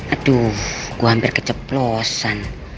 aduh gue hampir keceplosan